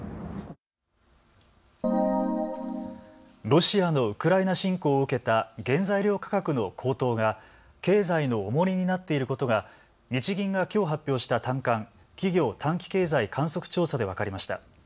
ロシアのウクライナ侵攻を受けた原材料価格の高騰が経済の重荷になっていることが日銀がきょう発表した短観・企業短期経済観測調査で分かりました。